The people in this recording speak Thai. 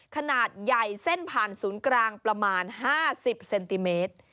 ขนาดใหญ่เส้นผ่านศูนย์กลางประมาณ๕๐เซนติเมตร